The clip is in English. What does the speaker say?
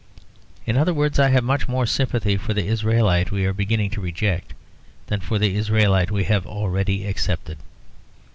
In other words, I have much more sympathy for the Israelite we are beginning to reject, than for the Israelite we have already accepted.